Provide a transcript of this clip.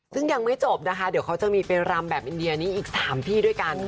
ซึ่งยังไม่จบนะคะเดี๋ยวเขาจะมีไปรำแบบอินเดียนี้อีก๓ที่ด้วยกัน